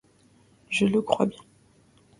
Je le crois bien !